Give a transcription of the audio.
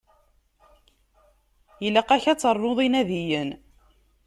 Ilaq-ak ad ternuḍ inadiyen.